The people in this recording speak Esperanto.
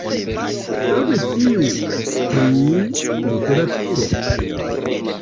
Same tiu pri literaturo.